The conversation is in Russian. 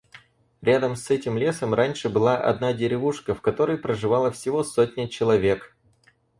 Рядом с этим лесом раньше была одна деревушка, в которой проживала всего сотня человек.